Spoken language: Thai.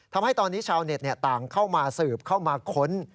ทำให้ตอนนี้ชาวเน็ตต่างเข้ามาสืบเข้ามาค้น